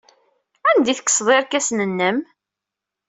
Anda ay tekkseḍ irkasen-nnem?